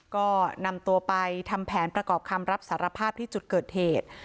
ก็นำตัวไปทำแผนประกอบคำรับสารภาพที่จุดเกิดเหตุ